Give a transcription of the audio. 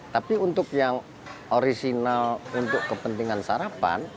tapi untuk yang orisinal untuk kepentingan sarapan